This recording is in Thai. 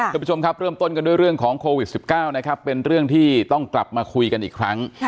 คุณผู้ชมครับเริ่มต้นกันด้วยเรื่องของโควิด๑๙นะครับเป็นเรื่องที่ต้องกลับมาคุยกันอีกครั้ง